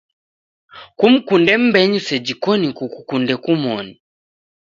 Kumkunde mbenyu seji koni kukukunde kumoni.